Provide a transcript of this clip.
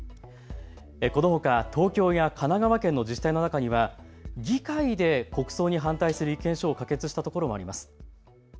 このほか東京や神奈川県の自治体の中には議会で国葬に反対する意見書を可決したところもあります。